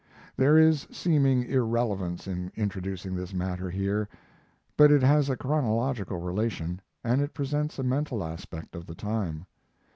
There is seeming irrelevance in introducing this matter here; but it has a chronological relation, and it presents a mental aspect of the time.